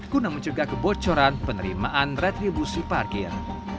guna mencegah kebocoran penerimaan retribusi parkir